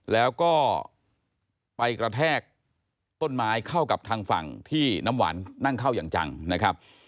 แล้วก็ไปกระแทกต้นไม้เข้ากับทางฝั่งที่น้ำหวานนั่งเข้าอย่างจังนะครับ